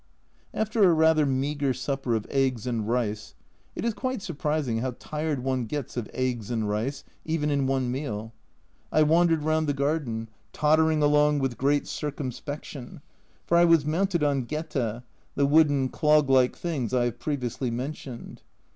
After a rather meagre supper of eggs and rice (it is quite surprising how tired one gets of eggs and rice, even in one meal) I wandered round the garden, tottering along with great circumspection, for I was mounted on geta (the wooden clog like things I have previously mentioned).